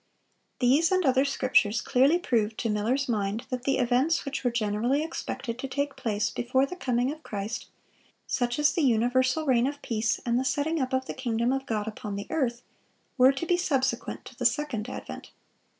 These and other scriptures clearly proved to Miller's mind that the events which were generally expected to take place before the coming of Christ, such as the universal reign of peace and the setting up of the kingdom of God upon the earth, were to be subsequent to the second advent.